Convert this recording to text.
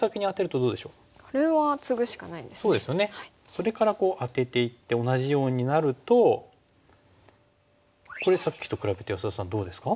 それからアテていって同じようになるとこれさっきと比べて安田さんどうですか？